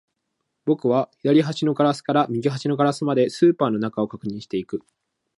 僕は左端のガラスから右端のガラスまで、スーパーの中を確認していく